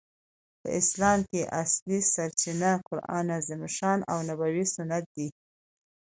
په اسلام کښي اصلي سرچینه قران عظیم الشان او نبوي سنت ده.